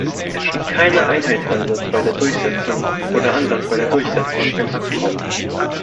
Es gibt keine Einheitsansatz bei der Durchsetzung, oder Ansatz bei der Durchsetzung, im Abkommen.